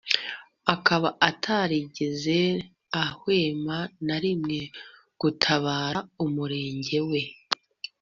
akaba atarigeze ahwema na rimwe gutabara umurage we